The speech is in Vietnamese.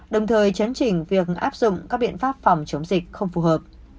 đồng thời chấn chỉnh việc áp dụng các biện pháp phòng chống dịch không phù hợp